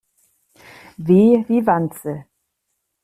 W wie Wanze.